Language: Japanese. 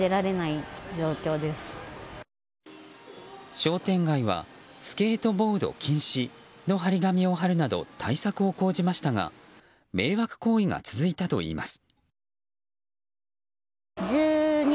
商店街はスケートボード禁止の貼り紙を貼るなど対策を講じましたが迷惑行為が続いたといいます。